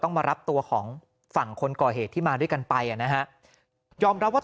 มารับตัวของฝั่งคนก่อเหตุที่มาด้วยกันไปอ่ะนะฮะยอมรับว่า